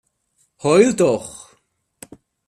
Heul doch!